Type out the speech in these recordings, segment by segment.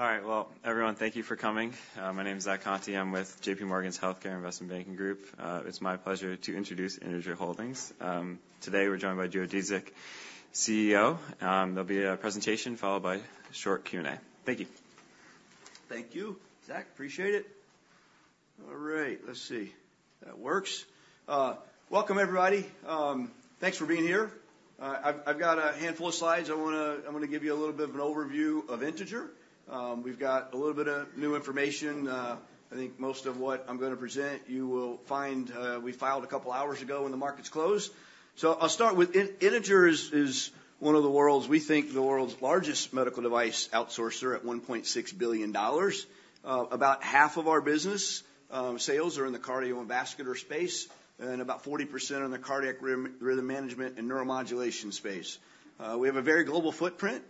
All right. Well, everyone, thank you for coming. My name is Zach Conte. I'm with JPMorgan's Healthcare Investment Banking Group. It's my pleasure to introduce Integer Holdings. Today, we're joined by Joe Dziedzic, CEO. There'll be a presentation followed by a short Q&A. Thank you. Thank you, Zach. Appreciate it. All right, let's see if that works. Welcome, everybody. Thanks for being here. I've got a handful of slides. I'm gonna give you a little bit of an overview of Integer. We've got a little bit of new information. I think most of what I'm gonna present, you will find, we filed a couple hours ago when the markets closed. So I'll start with Integer is one of the world's... we think the world's largest medical device outsourcer, at $1.6 billion. About half of our business, sales are in the cardio and vascular space, and about 40% are in the cardiac rhythm management and neuromodulation space. We have a very global footprint.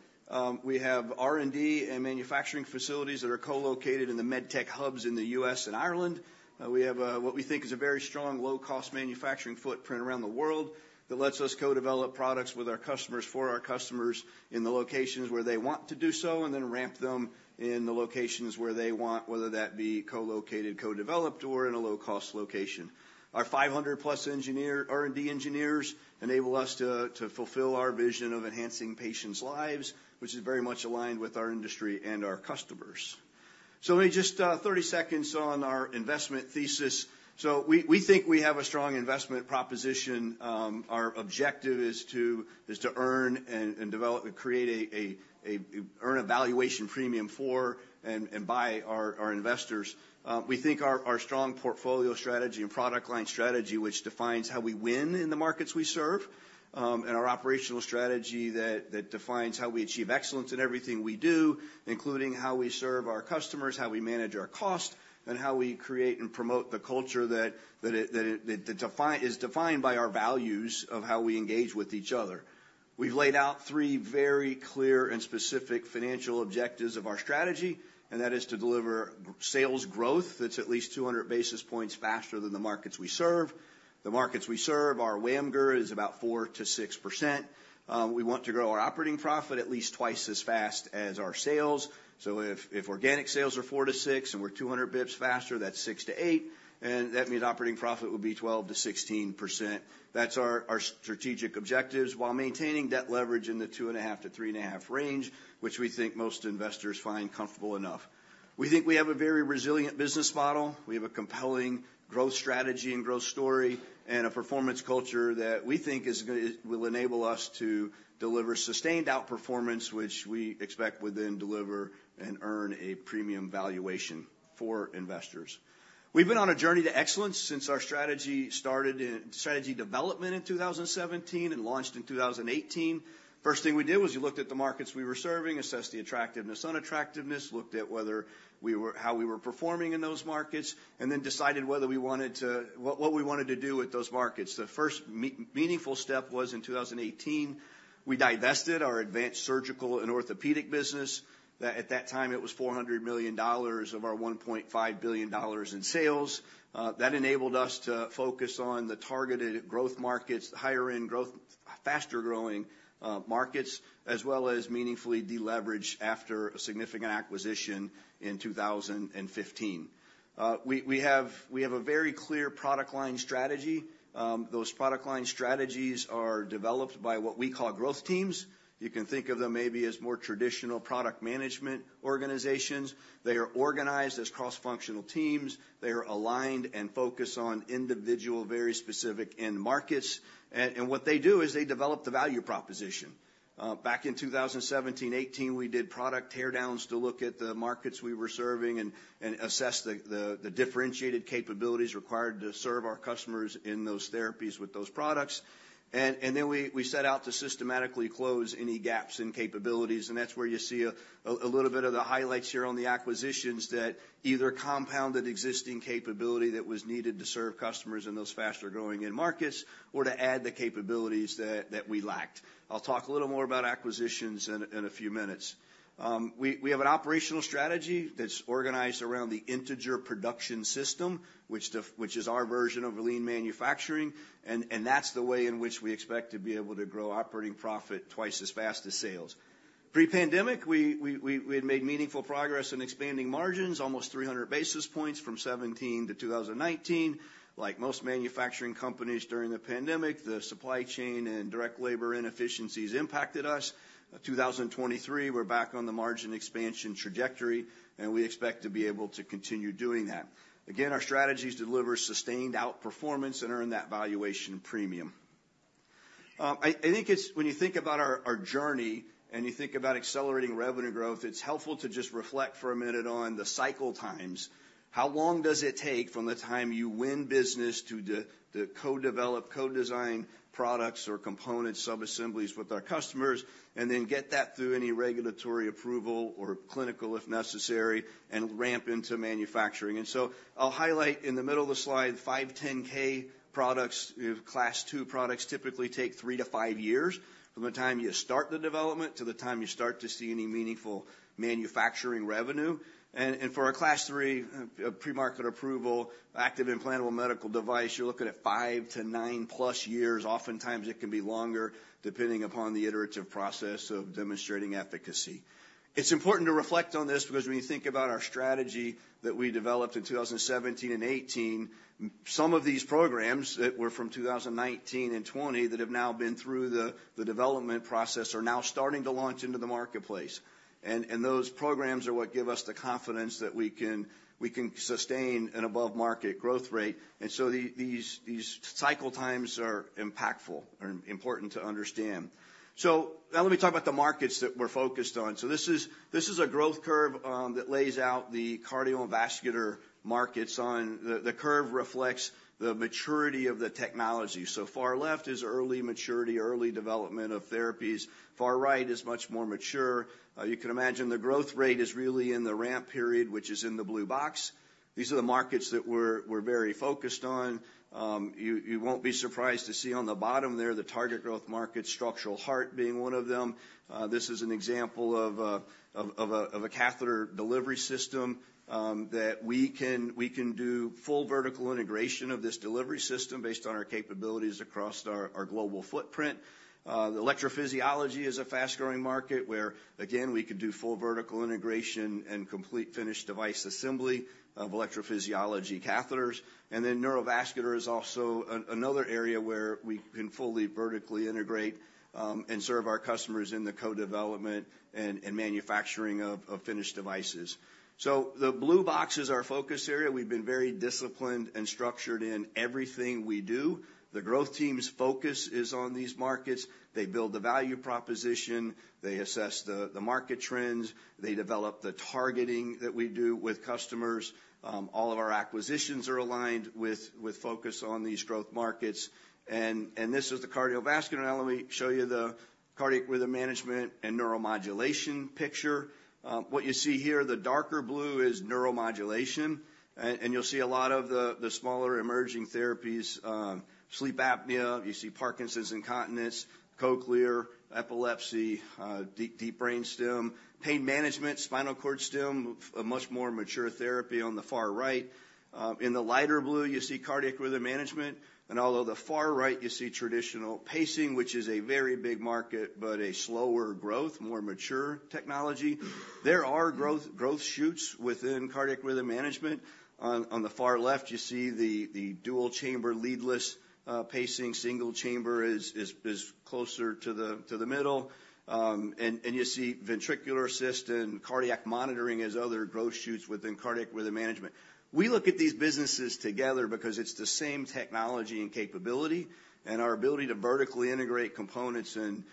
We have R&D and manufacturing facilities that are co-located in the med tech hubs in the U.S. and Ireland. We have what we think is a very strong, low-cost manufacturing footprint around the world, that lets us co-develop products with our customers, for our customers, in the locations where they want to do so, and then ramp them in the locations where they want, whether that be co-located, co-developed, or in a low-cost location. Our 500-plus R&D engineers enable us to fulfill our vision of enhancing patients' lives, which is very much aligned with our industry and our customers. So let me just 30 seconds on our investment thesis. So we think we have a strong investment proposition. Our objective is to earn a valuation premium for and by our investors. We think our strong portfolio strategy and product line strategy, which defines how we win in the markets we serve, and our operational strategy that defines how we achieve excellence in everything we do, including how we serve our customers, how we manage our cost, and how we create and promote the culture that is defined by our values of how we engage with each other. We've laid out three very clear and specific financial objectives of our strategy, and that is to deliver sales growth that's at least 200 basis points faster than the markets we serve. The markets we serve, our WAMGR, is about 4%-6%. We want to grow our operating profit at least twice as fast as our sales. So if organic sales are 4%-6%, and we're 200 basis points faster, that's 6%-8%, and that means operating profit will be 12%-16%. That's our strategic objectives, while maintaining debt leverage in the 2.5-3.5 range, which we think most investors find comfortable enough. We think we have a very resilient business model. We have a compelling growth strategy and growth story, and a performance culture that we think will enable us to deliver sustained outperformance, which we expect will then deliver and earn a premium valuation for investors. We've been on a journey to excellence since our strategy started in strategy development in 2017 and launched in 2018. First thing we did was we looked at the markets we were serving, assessed the attractiveness, unattractiveness, looked at whether we were performing in those markets, and then decided whether we wanted to do with those markets. The first meaningful step was in 2018. We divested our advanced surgical and orthopedic business. At that time, it was $400 million of our $1.5 billion in sales. That enabled us to focus on the targeted growth markets, the higher-end growth, faster-growing markets, as well as meaningfully deleverage after a significant acquisition in 2015. We have a very clear product line strategy. Those product line strategies are developed by what we call growth teams. You can think of them maybe as more traditional product management organizations. They are organized as cross-functional teams. They are aligned and focused on individual, very specific end markets. What they do is they develop the value proposition. Back in 2017, 2018, we did product teardowns to look at the markets we were serving and assess the differentiated capabilities required to serve our customers in those therapies with those products. Then we set out to systematically close any gaps in capabilities, and that's where you see a little bit of the highlights here on the acquisitions that either compounded existing capability that was needed to serve customers in those faster-growing end markets, or to add the capabilities that we lacked. I'll talk a little more about acquisitions in a few minutes. We have an operational strategy that's organized around the Integer Production System, which is our version of lean manufacturing, and that's the way in which we expect to be able to grow operating profit twice as fast as sales. Pre-pandemic, we had made meaningful progress in expanding margins, almost 300 basis points from 2017 to 2019. Like most manufacturing companies during the pandemic, the supply chain and direct labor inefficiencies impacted us. 2023, we're back on the margin expansion trajectory, and we expect to be able to continue doing that. Again, our strategies deliver sustained outperformance and earn that valuation premium. I think it's... When you think about our journey and you think about accelerating revenue growth, it's helpful to just reflect for a minute on the cycle times. How long does it take from the time you win business to the co-develop, co-design products or components, sub-assemblies with our customers, and then get that through any regulatory approval or clinical, if necessary, and ramp into manufacturing? And so I'll highlight in the middle of the slide, 510(k) products. We have Class II products, typically take three-five years from the time you start the development to the time you start to see any meaningful manufacturing revenue... And for our Class III, premarket approval, active implantable medical device, you're looking at five-nine plus years. Oftentimes, it can be longer, depending upon the iterative process of demonstrating efficacy. It's important to reflect on this because when you think about our strategy that we developed in 2017 and 2018, some of these programs that were from 2019 and 2020, that have now been through the development process, are now starting to launch into the marketplace. And those programs are what give us the confidence that we can sustain an above-market growth rate. And so these cycle times are impactful and important to understand. So now let me talk about the markets that we're focused on. This is a growth curve that lays out the cardiovascular markets. The curve reflects the maturity of the technology. So far left is early maturity, early development of therapies. Far right is much more mature. You can imagine the growth rate is really in the ramp period, which is in the blue box. These are the markets that we're very focused on. You won't be surprised to see on the bottom there, the target growth market, Structural Heart being one of them. This is an example of a catheter delivery system that we can do full vertical integration of this delivery system based on our capabilities across our global footprint. The Electrophysiology is a fast-growing market, where, again, we could do full vertical integration and complete finished device assembly of electrophysiology catheters. And then Neurovascular is also another area where we can fully vertically integrate and serve our customers in the co-development and manufacturing of finished devices. So the blue box is our focus area. We've been very disciplined and structured in everything we do. The growth team's focus is on these markets. They build the value proposition, they assess the market trends, they develop the targeting that we do with customers. All of our acquisitions are aligned with focus on these growth markets. This is the cardiovascular, and now let me show you the cardiac rhythm management and neuromodulation picture. What you see here, the darker blue is neuromodulation, and you'll see a lot of the smaller emerging therapies, sleep apnea, you see Parkinson's, incontinence, cochlear, epilepsy, deep brain stim, pain management, spinal cord stim, a much more mature therapy on the far right. In the lighter blue, you see cardiac rhythm management, and on the far right, you see traditional pacing, which is a very big market, but a slower growth, more mature technology. There are growth shoots within cardiac rhythm management. On the far left, you see the dual-chamber leadless pacing. Single-chamber is closer to the middle. And you see ventricular assist and cardiac monitoring as other growth shoots within cardiac rhythm management. We look at these businesses together because it's the same technology and capability, and our ability to vertically integrate components and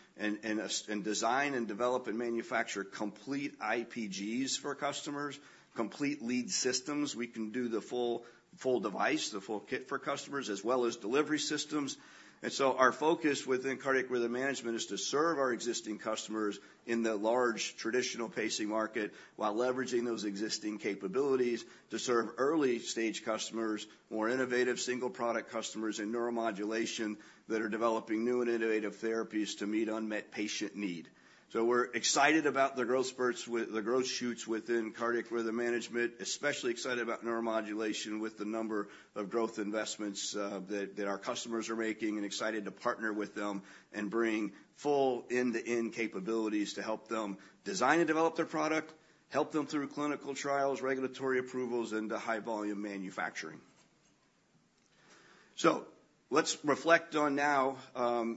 design and develop and manufacture complete IPGs for customers, complete lead systems. We can do the full device, the full kit for customers, as well as delivery systems. And so our focus within Cardiac Rhythm Management is to serve our existing customers in the large, traditional pacing market, while leveraging those existing capabilities to serve early-stage customers, more innovative single-product customers in Neuromodulation that are developing new and innovative therapies to meet unmet patient need. So we're excited about the growth spurts with the growth shoots within Cardiac Rhythm Management, especially excited about Neuromodulation, with the number of growth investments that our customers are making, and excited to partner with them and bring full end-to-end capabilities to help them design and develop their product, help them through clinical trials, regulatory approvals, and to high-volume manufacturing. So let's reflect on now,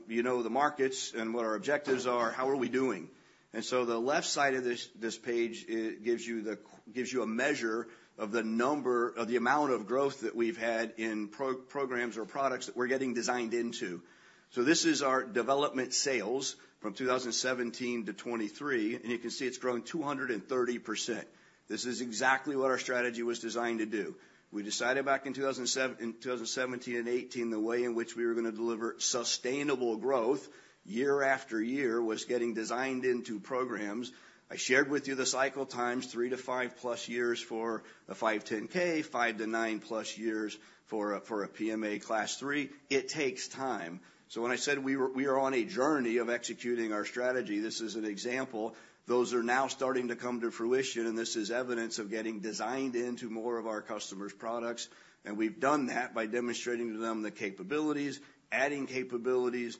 you know, the markets and what our objectives are, how are we doing? And so the left side of this page, it gives you the... gives you a measure of the number of the amount of growth that we've had in programs or products that we're getting designed into. So this is our development sales from 2017 to 2023, and you can see it's grown 230%. This is exactly what our strategy was designed to do. We decided back in 2017 and 2018, the way in which we were going to deliver sustainable growth year after year was getting designed into programs. I shared with you the cycle times, 3-5+ years for the 510(k), 5-9+ years for a PMA Class III. It takes time. So when I said we are on a journey of executing our strategy, this is an example. Those are now starting to come to fruition, and this is evidence of getting designed into more of our customers' products. We've done that by demonstrating to them the capabilities, adding capabilities,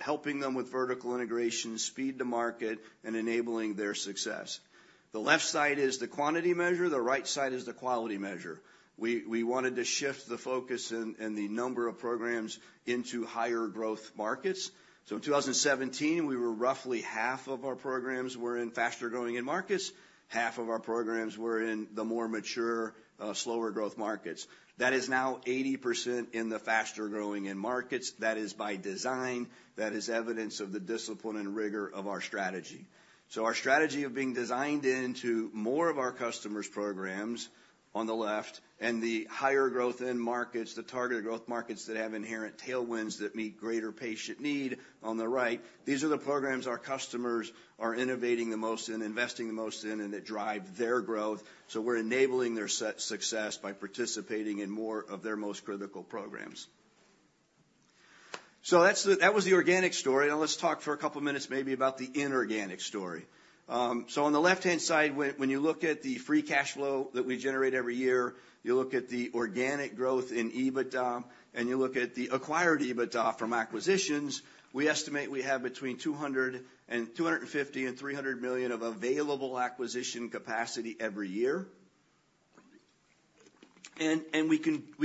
helping them with vertical integration, speed to market, and enabling their success. The left side is the quantity measure, the right side is the quality measure. We, we wanted to shift the focus and, and the number of programs into higher growth markets. So in 2017, we were roughly half of our programs were in faster-growing end markets, half of our programs were in the more mature, slower growth markets. That is now 80% in the faster-growing end markets. That is by design. That is evidence of the discipline and rigor of our strategy. So our strategy of being designed into more of our customers' programs, on the left, and the higher growth end markets, the targeted growth markets that have inherent tailwinds that meet greater patient need, on the right, these are the programs our customers are innovating the most in, investing the most in, and that drive their growth. So we're enabling their success by participating in more of their most critical programs... So that's the, that was the organic story. Now let's talk for a couple minutes maybe about the inorganic story. So on the left-hand side, when you look at the free cash flow that we generate every year, you look at the organic growth in EBITDA, and you look at the acquired EBITDA from acquisitions, we estimate we have between $250 million and $300 million of available acquisition capacity every year. And we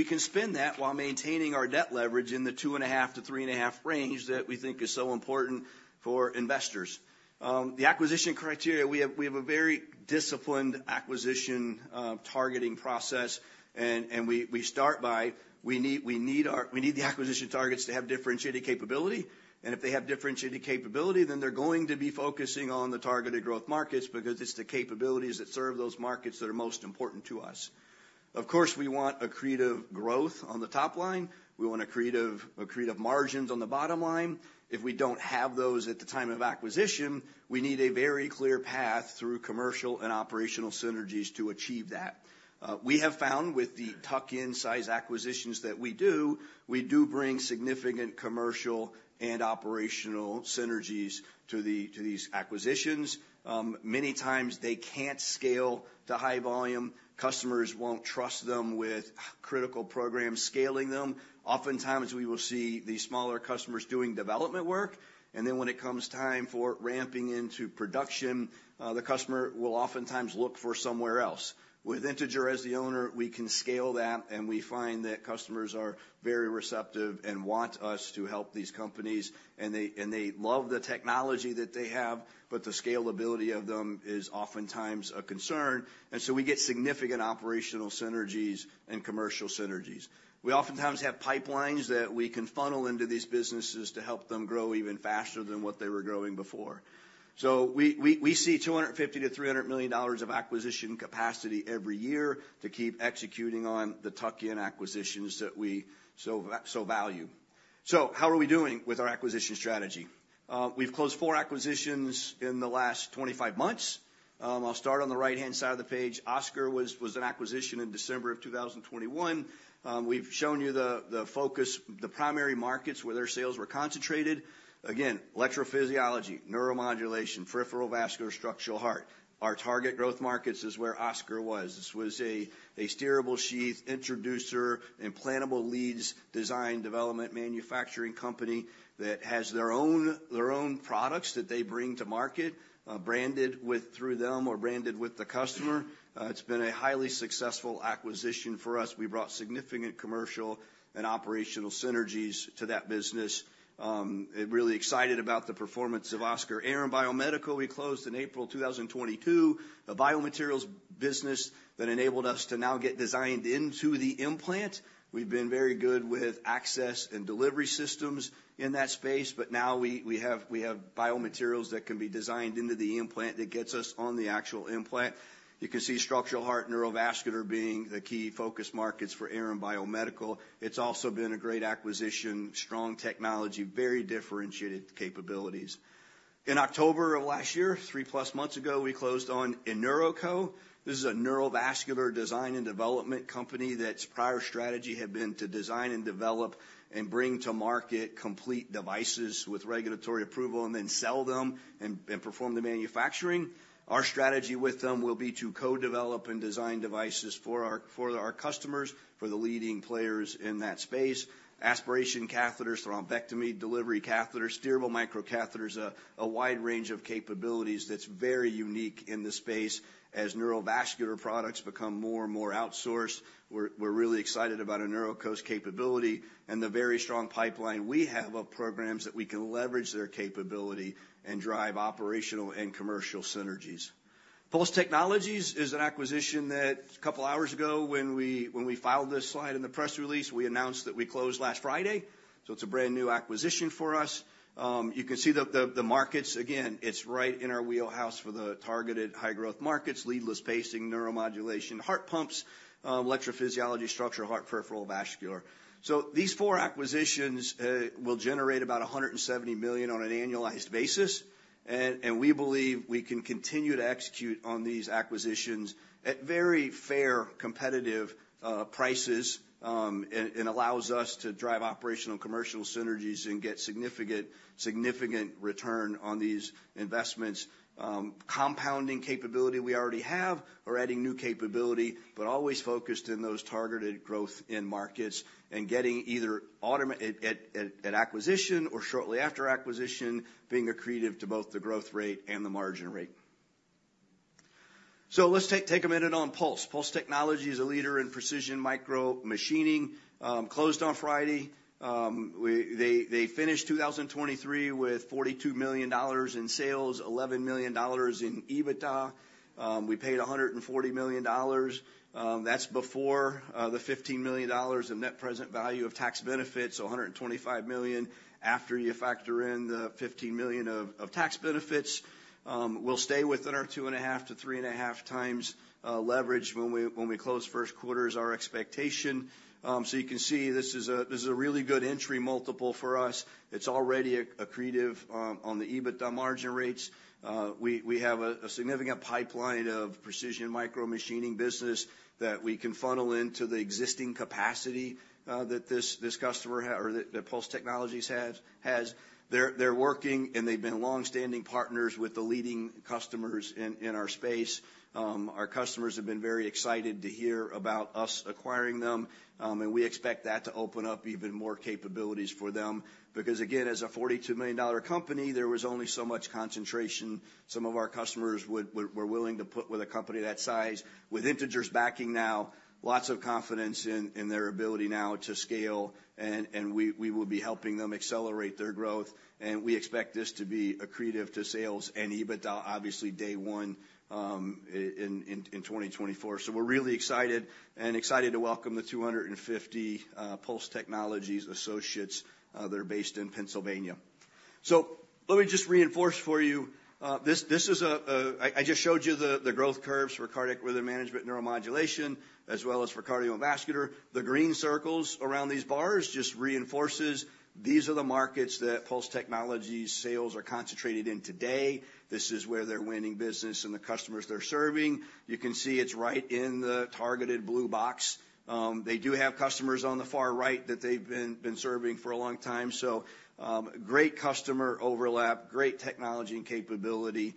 can spend that while maintaining our debt leverage in the 2.5-3.5 range that we think is so important for investors. The acquisition criteria, we have a very disciplined acquisition targeting process, and we start by, we need the acquisition targets to have differentiated capability. And if they have differentiated capability, then they're going to be focusing on the targeted growth markets, because it's the capabilities that serve those markets that are most important to us. Of course, we want accretive growth on the top line. We want accretive, accretive margins on the bottom line. If we don't have those at the time of acquisition, we need a very clear path through commercial and operational synergies to achieve that. We have found with the tuck-in size acquisitions that we do, we do bring significant commercial and operational synergies to the, to these acquisitions. Many times they can't scale to high volume. Customers won't trust them with critical programs, scaling them. Oftentimes, we will see the smaller customers doing development work, and then when it comes time for ramping into production, the customer will oftentimes look for somewhere else. With Integer as the owner, we can scale that, and we find that customers are very receptive and want us to help these companies, and they, and they love the technology that they have, but the scalability of them is oftentimes a concern, and so we get significant operational synergies and commercial synergies. We oftentimes have pipelines that we can funnel into these businesses to help them grow even faster than what they were growing before. So we see $250 million-$300 million of acquisition capacity every year to keep executing on the tuck-in acquisitions that we so value. So how are we doing with our acquisition strategy? We've closed four acquisitions in the last 25 months. I'll start on the right-hand side of the page. Oscor was, was an acquisition in December of 2021. We've shown you the focus, the primary markets where their sales were concentrated. Again, Electrophysiology, Neuromodulation, Peripheral Vascular, Structural Heart. Our target growth markets is where Oscor was. This was a steerable sheath, introducer, implantable leads, design, development, manufacturing company that has their own products that they bring to market, branded with through them or branded with the customer. It's been a highly successful acquisition for us. We brought significant commercial and operational synergies to that business. And really excited about the performance of Oscor. Aran Biomedical, we closed in April 2022, a biomaterials business that enabled us to now get designed into the implant. We've been very good with access and delivery systems in that space, but now we have biomaterials that can be designed into the implant that gets us on the actual implant. You can see structural heart and neurovascular being the key focus markets for Aran Biomedical. It's also been a great acquisition, strong technology, very differentiated capabilities. In October of last year, three plus months ago, we closed on InNeuroCo. This is a neurovascular design and development company that's prior strategy had been to design and develop and bring to market complete devices with regulatory approval and then sell them and perform the manufacturing. Our strategy with them will be to co-develop and design devices for our, for our customers, for the leading players in that space. Aspiration catheters, thrombectomy, delivery catheters, steerable microcatheters, a wide range of capabilities that's very unique in this space. As neurovascular products become more and more outsourced, we're really excited about InNeuroCo's capability and the very strong pipeline we have of programs that we can leverage their capability and drive operational and commercial synergies. Pulse Technologies is an acquisition that a couple hours ago, when we filed this slide in the press release, we announced that we closed last Friday, so it's a brand-new acquisition for us. You can see the markets. Again, it's right in our wheelhouse for the targeted high-growth markets, leadless pacing, neuromodulation, heart pumps, electrophysiology, structural heart, peripheral vascular. So these four acquisitions will generate about $170 million on an annualized basis, and we believe we can continue to execute on these acquisitions at very fair, competitive prices, and allows us to drive operational commercial synergies and get significant return on these investments. Compounding capability we already have or adding new capability, but always focused in those targeted growth end markets and getting either automatic at acquisition or shortly after acquisition, being accretive to both the growth rate and the margin rate. So let's take a minute on Pulse. Pulse Technologies is a leader in precision micro machining, closed on Friday. They finished 2023 with $42 million in sales, $11 million in EBITDA. We paid $140 million, that's before the $15 million in net present value of tax benefits, so $125 million after you factor in the $15 million of tax benefits. We'll stay within our 2.5-3.5 times leverage when we close; first quarter is our expectation. So you can see this is a, this is a really good entry multiple for us. It's already accretive on the EBITDA margin rates. We have a significant pipeline of precision micromachining business that we can funnel into the existing capacity that Pulse Technologies has. They're working, and they've been long-standing partners with the leading customers in our space. Our customers have been very excited to hear about us acquiring them, and we expect that to open up even more capabilities for them. Because, again, as a $42 million company, there was only so much concentration some of our customers were willing to put with a company that size. With Integer's backing now, lots of confidence in their ability now to scale, and we will be helping them accelerate their growth, and we expect this to be accretive to sales and EBITDA, obviously, day one, in 2024. So we're really excited and excited to welcome the 250 Pulse Technologies associates that are based in Pennsylvania. So let me just reinforce for you, this is a... I just showed you the growth curves for cardiac rhythm management neuromodulation, as well as for cardiovascular. The green circles around these bars just reinforces these are the markets that Pulse Technologies sales are concentrated in today. This is where they're winning business and the customers they're serving. You can see it's right in the targeted blue box. They do have customers on the far right that they've been serving for a long time. So, great customer overlap, great technology and capability.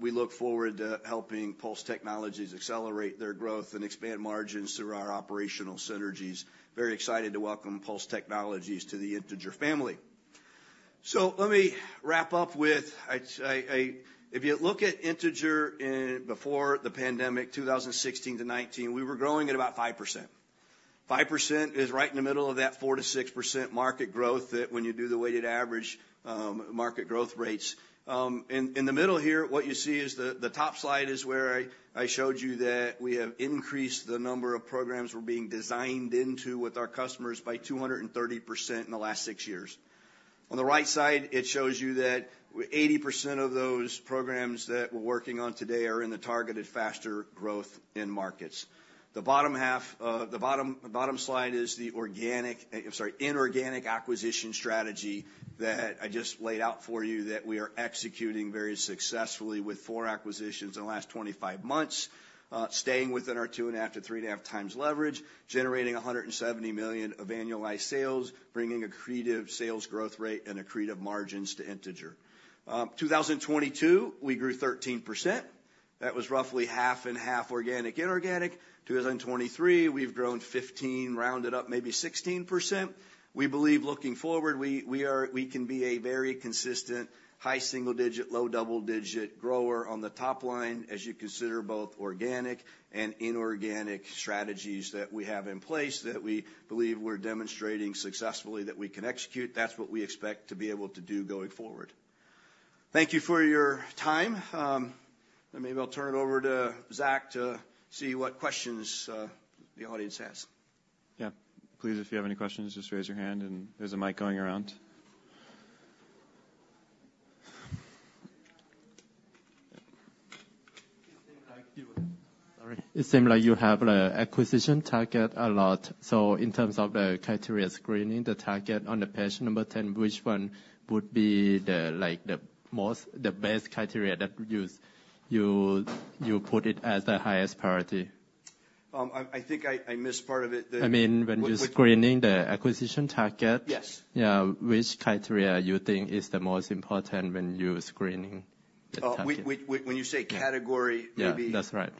We look forward to helping Pulse Technologies accelerate their growth and expand margins through our operational synergies. Very excited to welcome Pulse Technologies to the Integer family. So let me wrap up. If you look at Integer before the pandemic, 2016-2019, we were growing at about 5%. 5% is right in the middle of that 4%-6% market growth that when you do the weighted average market growth rates. In the middle here, what you see is the top slide, where I showed you that we have increased the number of programs we're being designed into with our customers by 230% in the last six years. On the right side, it shows you that 80% of those programs that we're working on today are in the targeted, faster growth end markets. The bottom half, the bottom slide is the inorganic acquisition strategy that I just laid out for you, that we are executing very successfully with four acquisitions in the last 25 months. Staying within our 2.5-3.5 times leverage, generating $170 million of annualized sales, bringing accretive sales growth rate and accretive margins to Integer. 2022, we grew 13%. That was roughly half and half organic, inorganic. 2023, we've grown 15%, rounded up, maybe 16%. We believe looking forward, we can be a very consistent, high single-digit, low double-digit grower on the top line, as you consider both organic and inorganic strategies that we have in place, that we believe we're demonstrating successfully that we can execute. That's what we expect to be able to do going forward. Thank you for your time. And maybe I'll turn it over to Zach to see what questions the audience has. Yeah. Please, if you have any questions, just raise your hand, and there's a mic going around. It seems like you have an acquisition target a lot. So in terms of the criteria screening, the target on the page number 10, which one would be the, like, the most—the best criteria that you put it as the highest priority? I think I missed part of it there. I mean, when you're screening the acquisition target- Yes. Yeah, which criteria you think is the most important when you're screening the target? When you say category, maybe- Yeah, that's right.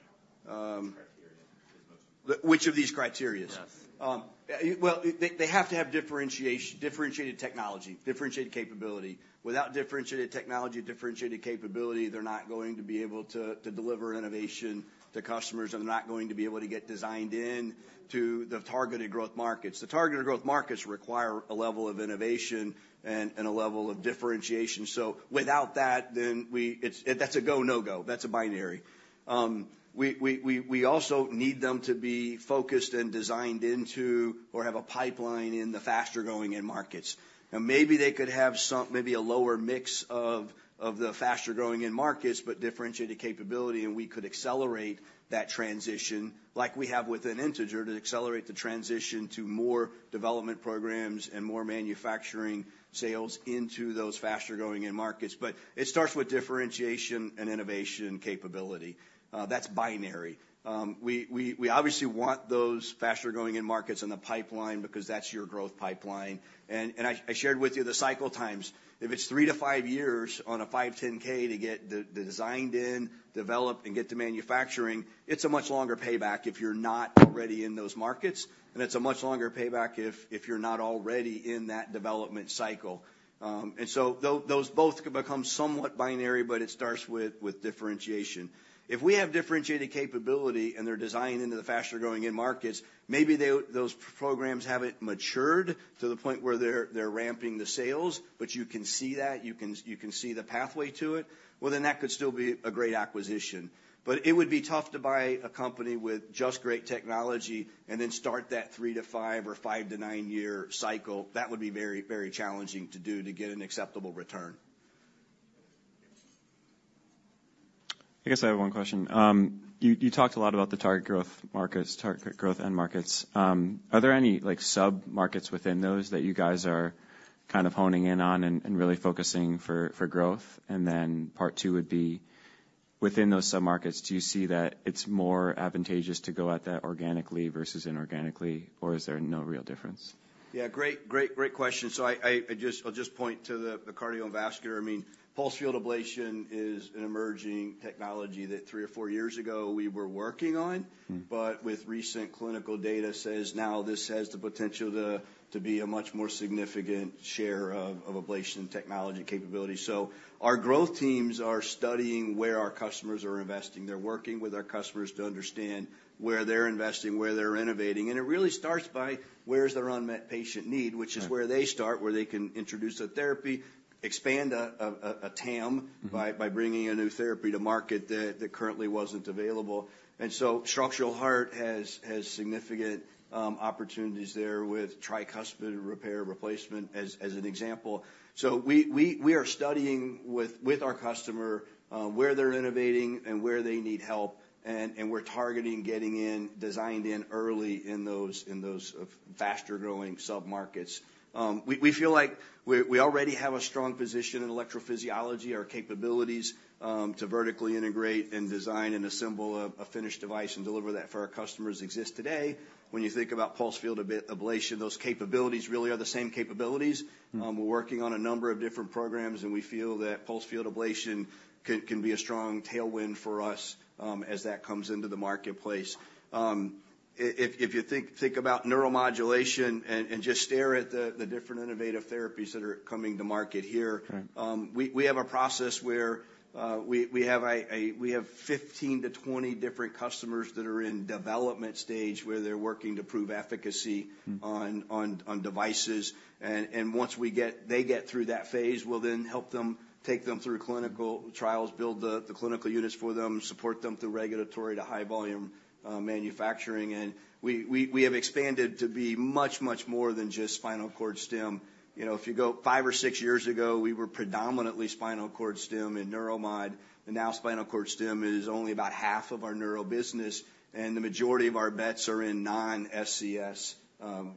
Which of these criteria? Yes. Well, they have to have differentiated technology, differentiated capability. Without differentiated technology, differentiated capability, they're not going to be able to deliver innovation to customers, and they're not going to be able to get designed in to the targeted growth markets. The targeted growth markets require a level of innovation and a level of differentiation. So without that, it's a go, no-go. That's a binary. We also need them to be focused and designed into or have a pipeline in the faster-growing end markets. Now, maybe they could have some, maybe a lower mix of the faster-growing end markets, but differentiated capability, and we could accelerate that transition, like we have with an Integer, to accelerate the transition to more development programs and more manufacturing sales into those faster-growing end markets. But it starts with differentiation and innovation capability. That's binary. We obviously want those faster-growing end markets in the pipeline because that's your growth pipeline. And I shared with you the cycle times. If it's three-five years on a 510(k) to get the designed in, developed, and get to manufacturing, it's a much longer payback if you're not already in those markets, and it's a much longer payback if you're not already in that development cycle. And so those both could become somewhat binary, but it starts with differentiation. If we have differentiated capability and they're designing into the faster-growing end markets, maybe they, those programs haven't matured to the point where they're ramping the sales, but you can see that, you can see the pathway to it, well, then that could still be a great acquisition. But it would be tough to buy a company with just great technology and then start that three-five or five-nine-year cycle. That would be very, very challenging to do to get an acceptable return. I guess I have one question. You talked a lot about the target growth markets, target growth end markets. Are there any, like, sub-markets within those that you guys are kind of honing in on and really focusing for growth? And then part two would be: within those sub-markets, do you see that it's more advantageous to go at that organically versus inorganically, or is there no real difference? Yeah, great, great, great question. So I'll just point to the cardiovascular. I mean, Pulsed Field Ablation is an emerging technology that three or four years ago we were working on. Mm-hmm. But with recent clinical data, says now this has the potential to be a much more significant share of ablation technology capability. So our growth teams are studying where our customers are investing. They're working with our customers to understand where they're investing, where they're innovating, and it really starts by: where's their unmet patient need? Right. Which is where they start, where they can introduce a therapy, expand a TAM- Mm-hmm... by bringing a new therapy to market that currently wasn't available. And so structural heart has significant opportunities there with tricuspid repair, replacement, as an example. So we are studying with our customer where they're innovating and where they need help, and we're targeting getting in, designed in early in those faster-growing sub-markets. We feel like we already have a strong position in electrophysiology. Our capabilities to vertically integrate and design and assemble a finished device and deliver that for our customers exist today. When you think about pulse field ablation, those capabilities really are the same capabilities. Mm-hmm. We're working on a number of different programs, and we feel that Pulse Field Ablation can be a strong tailwind for us, as that comes into the marketplace. If you think about neuromodulation and just stare at the different innovative therapies that are coming to market here- Right... we have a process where we have 15-20 different customers that are in development stage, where they're working to prove efficacy- Mm-hmm... on devices. And once we get they get through that phase, we'll then help them take them through clinical trials, build the clinical units for them, support them through regulatory to high volume manufacturing. And we have expanded to be much, much more than just spinal cord stim. You know, if you go five or six years ago, we were predominantly spinal cord stim and neuromod, and now spinal cord stim is only about half of our neuro business, and the majority of our bets are in non-SCS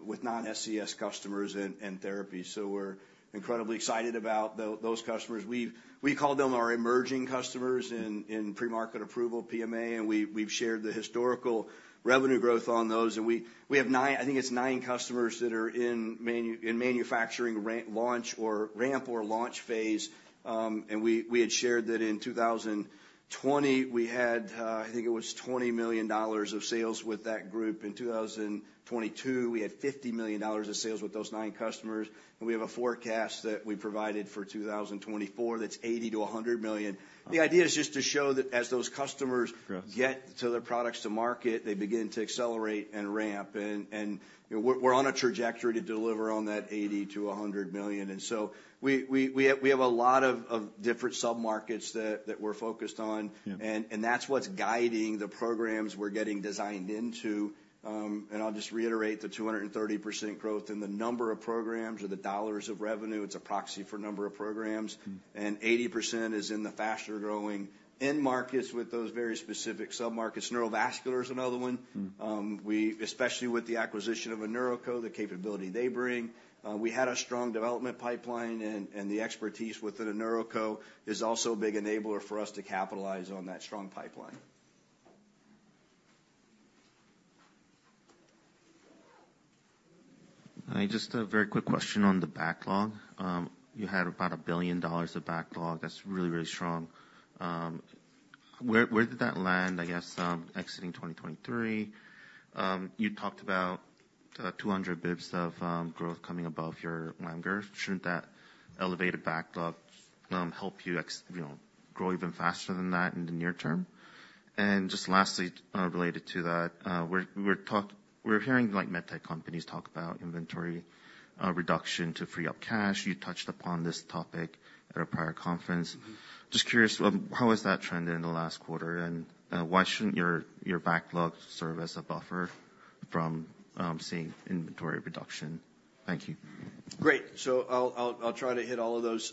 with non-SCS customers and therapy. So we're incredibly excited about those customers. We call them our emerging customers in pre-market approval, PMA, and we've shared the historical revenue growth on those. And we have nine... I think it's nine customers that are in manufacturing ramp or launch phase. And we had shared that in 2020, we had, I think it was $20 million of sales with that group. In 2022, we had $50 million of sales with those nine customers, and we have a forecast that we provided for 2024 that's $80 million-$100 million. Wow. The idea is just to show that as those customers- Sure get to their products to market, they begin to accelerate and ramp, and you know, we're on a trajectory to deliver on that $80 million-$100 million. And so we have a lot of different sub-markets that we're focused on. Yeah. That's what's guiding the programs we're getting designed into. And I'll just reiterate, the 230% growth in the number of programs or the dollars of revenue, it's a proxy for number of programs. Mm-hmm. 80% is in the faster-growing end markets with those very specific sub-markets. Neurovascular is another one. Mm-hmm. Especially with the acquisition of InNeuroCo, the capability they bring, we had a strong development pipeline, and the expertise within InNeuroCo is also a big enabler for us to capitalize on that strong pipeline. Hi, just a very quick question on the backlog. You had about $1 billion of backlog. That's really, really strong. Where did that land, I guess, exiting 2023? You talked about 200 basis points of growth coming above your longer. Shouldn't that elevated backlog help you, you know, grow even faster than that in the near term? And just lastly, related to that, we're hearing, like, med tech companies talk about inventory reduction to free up cash. You touched upon this topic at a prior conference. Mm-hmm. Just curious, how has that trended in the last quarter, and why shouldn't your backlog serve as a buffer from seeing inventory reduction? Thank you. Great. So I'll try to hit all of those.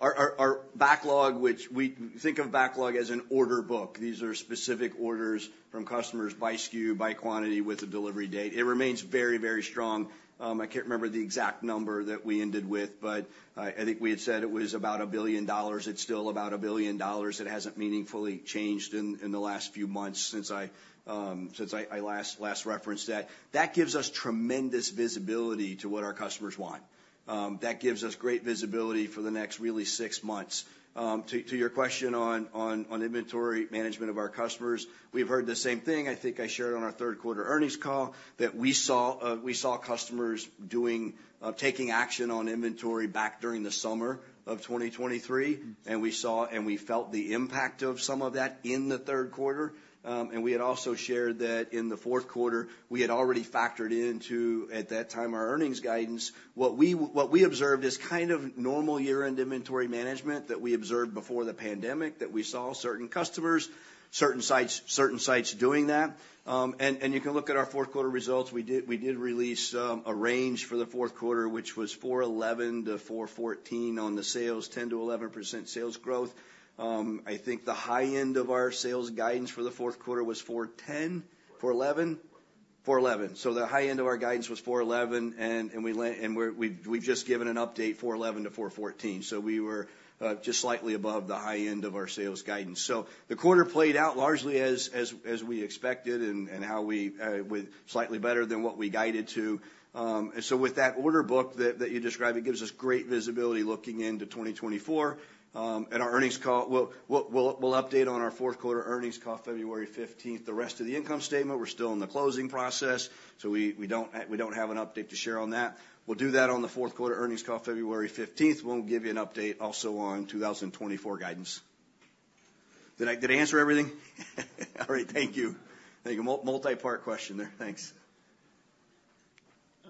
Our backlog, which we think of as an order book. These are specific orders from customers by SKU, by quantity, with a delivery date. It remains very, very strong. I can't remember the exact number that we ended with, but I think we had said it was about $1 billion. It's still about $1 billion. It hasn't meaningfully changed in the last few months since I last referenced that. That gives us tremendous visibility to what our customers want. That gives us great visibility for the next really six months. To your question on inventory management of our customers, we've heard the same thing. I think I shared on our third quarter earnings call that we saw customers taking action on inventory back during the summer of 2023, and we felt the impact of some of that in the third quarter. And we had also shared that in the fourth quarter, we had already factored into, at that time, our earnings guidance. What we observed is kind of normal year-end inventory management that we observed before the pandemic, that we saw certain customers, certain sites doing that. You can look at our fourth quarter results. We did release a range for the fourth quarter, which was $411-$414 on the sales, 10%-11% sales growth. I think the high end of our sales guidance for the fourth quarter was $410? $411? $411. So the high end of our guidance was $411, and we landed and we've just given an update, $411-$414. So we were just slightly above the high end of our sales guidance. So the quarter played out largely as we expected and how we with slightly better than what we guided to. And so with that order book that you described, it gives us great visibility looking into 2024. At our earnings call, we'll update on our fourth quarter earnings call February fifteenth. The rest of the income statement, we're still in the closing process, so we don't have an update to share on that. We'll do that on the fourth quarter earnings call, February fifteenth. We'll give you an update also on 2024 guidance. Did I, did I answer everything? All right, thank you. Thank you. Multi-part question there. Thanks.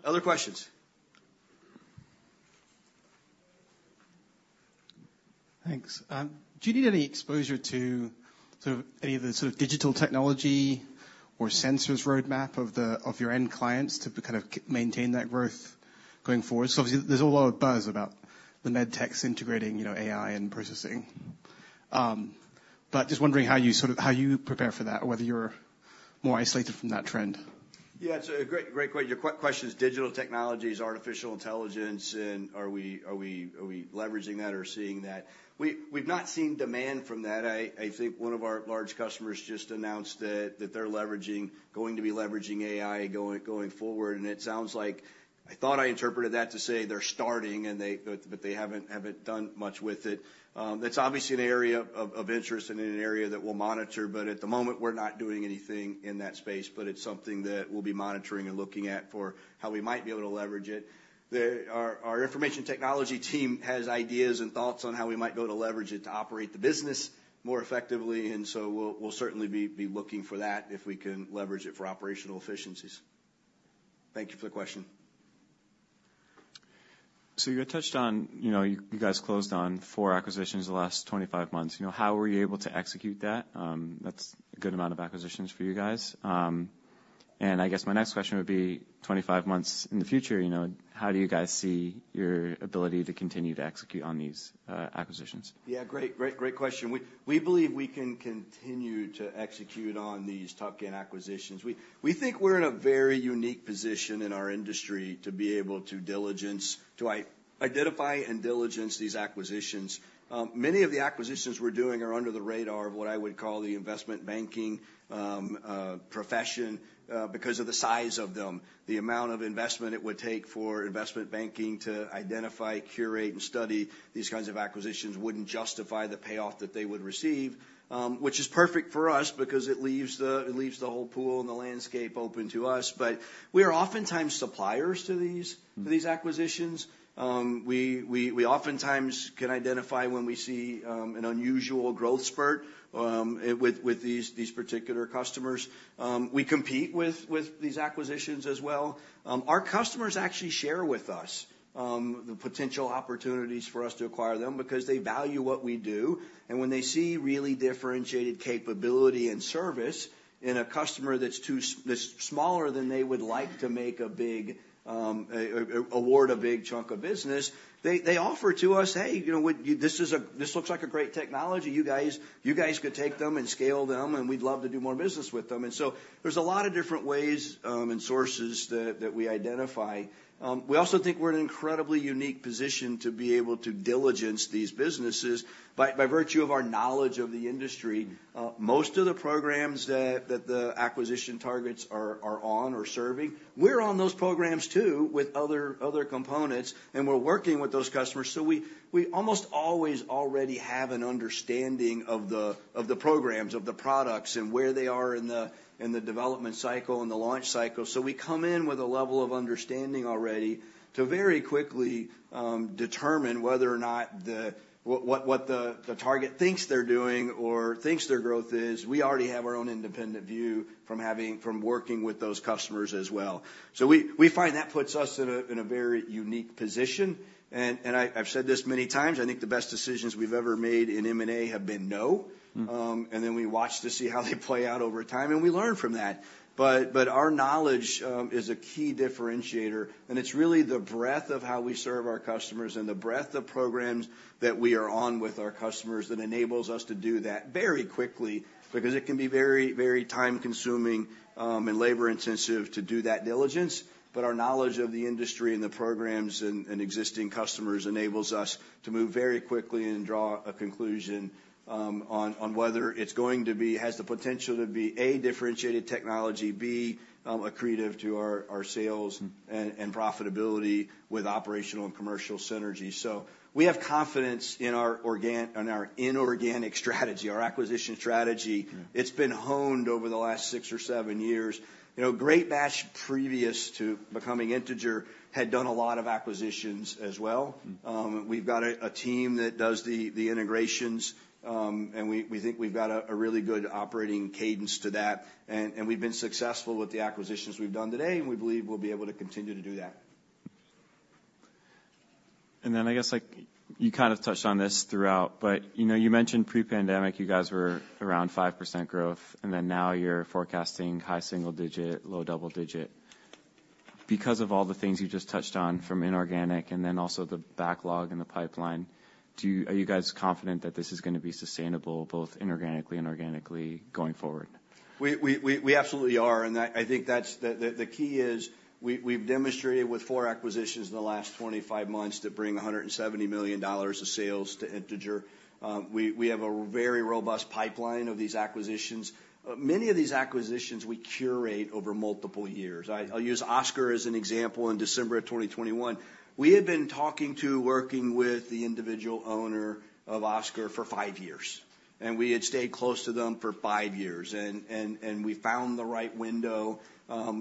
Other questions? Thanks. Do you need any exposure to, to any of the sort of digital technology or sensors roadmap of the, of your end clients to kind of maintain that growth going forward? So obviously, there's a lot of buzz about the med techs integrating, you know, AI and processing. But just wondering how you sort of how you prepare for that, or whether you're more isolated from that trend. Yeah, it's a great, great question. Your question is digital technologies, artificial intelligence, and are we leveraging that or seeing that? We've not seen demand from that. I think one of our large customers just announced that they're going to be leveraging AI going forward, and it sounds like I thought I interpreted that to say they're starting, but they haven't done much with it. That's obviously an area of interest and an area that we'll monitor, but at the moment, we're not doing anything in that space, but it's something that we'll be monitoring and looking at for how we might be able to leverage it. Our information technology team has ideas and thoughts on how we might be able to leverage it to operate the business more effectively, and so we'll certainly be looking for that if we can leverage it for operational efficiencies. Thank you for the question. So you had touched on, you know, you, you guys closed on 4 acquisitions in the last 25 months. You know, how were you able to execute that? That's a good amount of acquisitions for you guys. And I guess my next question would be, 25 months in the future, you know, how do you guys see your ability to continue to execute on these acquisitions? Yeah, great, great, great question. We believe we can continue to execute on these top-end acquisitions. We think we're in a very unique position in our industry to be able to identify and diligence these acquisitions. Many of the acquisitions we're doing are under the radar of what I would call the investment banking profession because of the size of them. The amount of investment it would take for investment banking to identify, curate, and study these kinds of acquisitions wouldn't justify the payoff that they would receive. Which is perfect for us, because it leaves the whole pool and the landscape open to us. But we are oftentimes suppliers to these- Mm-hmm... to these acquisitions. We oftentimes can identify when we see an unusual growth spurt with these particular customers. We compete with these acquisitions as well. Our customers actually share with us the potential opportunities for us to acquire them, because they value what we do. And when they see really differentiated capability and service in a customer that's smaller than they would like to make a big award a big chunk of business, they offer it to us. "Hey, you know, this looks like a great technology. You guys could take them and scale them, and we'd love to do more business with them." And so there's a lot of different ways and sources that we identify. We also think we're in an incredibly unique position to be able to diligence these businesses by virtue of our knowledge of the industry. Most of the programs that the acquisition targets are on or serving, we're on those programs too, with other components, and we're working with those customers, so we almost always already have an understanding of the programs, of the products, and where they are in the development cycle and the launch cycle. So we come in with a level of understanding already, to very quickly determine whether or not the what the target thinks they're doing or thinks their growth is, we already have our own independent view from having from working with those customers as well. So we find that puts us in a very unique position. I've said this many times: I think the best decisions we've ever made in M&A have been No. Mm-hmm. And then we watch to see how they play out over time, and we learn from that. But our knowledge is a key differentiator, and it's really the breadth of how we serve our customers and the breadth of programs that we are on with our customers, that enables us to do that very quickly, because it can be very, very time-consuming and labor-intensive to do that diligence. But our knowledge of the industry and the programs and existing customers enables us to move very quickly and draw a conclusion on whether it's going to be has the potential to be, A, differentiated technology, B, accretive to our sales- Mm... and profitability with operational and commercial synergy. So we have confidence in our inorganic strategy, our acquisition strategy. Mm. It's been honed over the last six or seven years. You know, Greatbatch, previous to becoming Integer, had done a lot of acquisitions as well. Mm-hmm. We've got a team that does the integrations, and we think we've got a really good operating cadence to that. And we've been successful with the acquisitions we've done today, and we believe we'll be able to continue to do that.... Then I guess, like, you kind of touched on this throughout, but, you know, you mentioned pre-pandemic, you guys were around 5% growth, and then now you're forecasting high single-digit, low double-digit. Because of all the things you just touched on from inorganic and then also the backlog and the pipeline, do you-- are you guys confident that this is gonna be sustainable, both inorganically and organically, going forward? We absolutely are, and that—I think that's the key is, we've demonstrated with four acquisitions in the last 25 months that bring $170 million of sales to Integer. We have a very robust pipeline of these acquisitions. Many of these acquisitions, we curate over multiple years. I'll use Oscor as an example. In December of 2021, we had been working with the individual owner of Oscor for five years, and we had stayed close to them for five years. And we found the right window,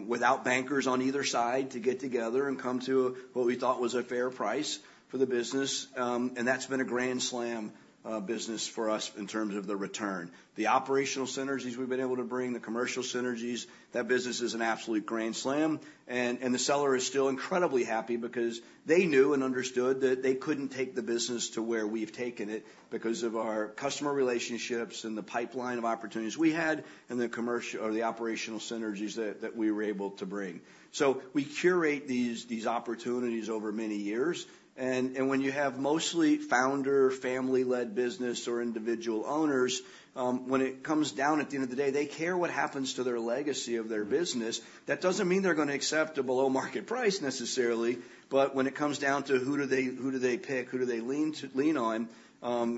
without bankers on either side, to get together and come to what we thought was a fair price for the business. And that's been a grand slam business for us in terms of the return. The operational synergies we've been able to bring, the commercial synergies, that business is an absolute grand slam. And the seller is still incredibly happy because they knew and understood that they couldn't take the business to where we've taken it because of our customer relationships and the pipeline of opportunities we had and the commercial or the operational synergies that we were able to bring. So we curate these opportunities over many years, and when you have mostly founder, family-led business or individual owners, when it comes down, at the end of the day, they care what happens to their legacy of their business. That doesn't mean they're gonna accept a below-market price necessarily, but when it comes down to who do they, who do they pick, who do they lean on,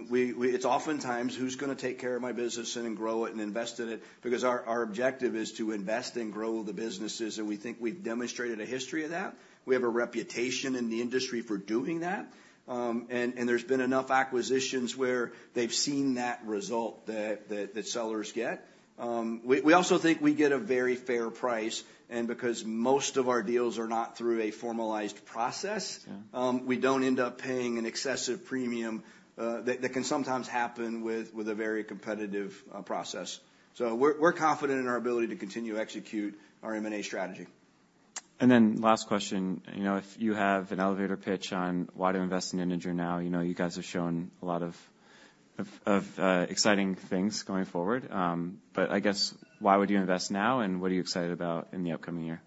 we—it's oftentimes, "Who's gonna take care of my business and grow it and invest in it?" Because our objective is to invest and grow the businesses, and we think we've demonstrated a history of that. We have a reputation in the industry for doing that. And there's been enough acquisitions where they've seen that result that sellers get. We also think we get a very fair price, and because most of our deals are not through a formalized process- Yeah... we don't end up paying an excessive premium, that can sometimes happen with a very competitive process. So we're confident in our ability to continue to execute our M&A strategy. And then last question, you know, if you have an elevator pitch on why to invest in Integer now, you know, you guys have shown a lot of exciting things going forward, but I guess, why would you invest now, and what are you excited about in the upcoming year?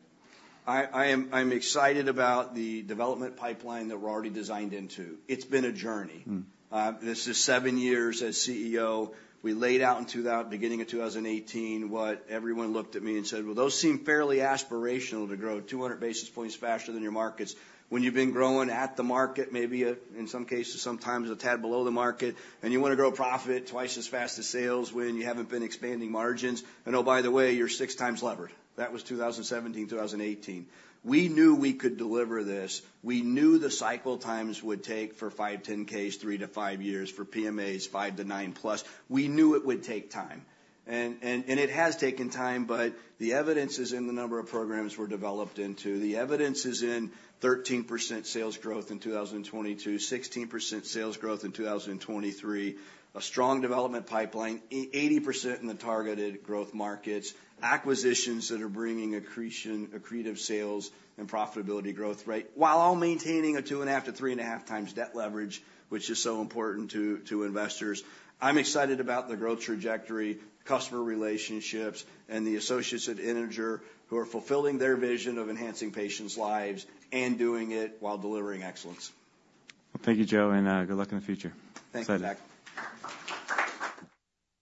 I'm excited about the development pipeline that we're already designed into. It's been a journey. Mm. This is 7 years as CEO. We laid out in the beginning of 2018 what everyone looked at me and said, "Well, those seem fairly aspirational, to grow 200 basis points faster than your markets when you've been growing at the market, maybe, in some cases, sometimes a tad below the market, and you wanna grow profit twice as fast as sales when you haven't been expanding margins. And oh, by the way, you're 6x levered." That was 2017, 2018. We knew we could deliver this. We knew the cycle times would take, for 510(k)s, 3-5 years, for PMAs, 5-9+ years. We knew it would take time, and it has taken time, but the evidence is in the number of programs we're developed into. The evidence is in 13% sales growth in 2022, 16% sales growth in 2023, a strong development pipeline, eighty percent in the targeted growth markets, acquisitions that are bringing accretion, accretive sales and profitability growth rate, while all maintaining a 2.5-3.5 times debt leverage, which is so important to, to investors. I'm excited about the growth trajectory, customer relationships, and the associates at Integer, who are fulfilling their vision of enhancing patients' lives and doing it while delivering excellence. Well, thank you, Joe, and good luck in the future. Thank for that.